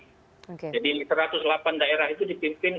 jadi satu ratus delapan daerah itu dipimpin